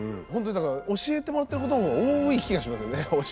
ほんとにだから教えてもらってることの方が多い気がしますよね